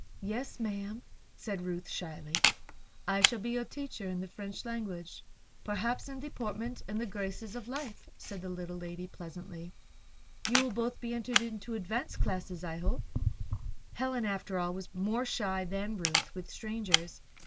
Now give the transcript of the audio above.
"Yes, Ma'am," said Ruth, shyly. "I shall be your teacher in the French language perhaps in deportment and the graces of life," the little lady said, pleasantly. "You will both enter into advanced classes, I hope?" Helen, after all, was more shy than Ruth with strangers.